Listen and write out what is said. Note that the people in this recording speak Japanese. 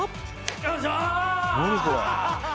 「よいしょー！」